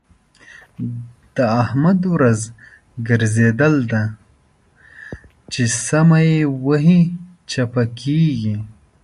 د احمد ورځ ګرځېدل ده؛ چې سمه يې وهي - چپه کېږي.